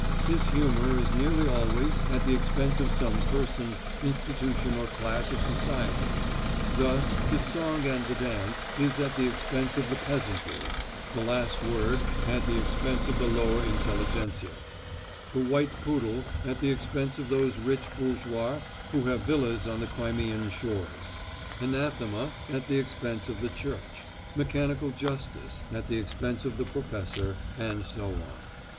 His humour is nearly always at the expense of some person, institution or class of society. Thus "The Song and the Dance" is at the expense of the peasantry, "The Last Word" at the expense of the lower intelligentia, "The White Poodle" at the expense of those rich bourgeois who have villas on the Crimean shores, "Anathema" at the expense of the Church, "Mechanical Justice" at the expense of the professor, and so on.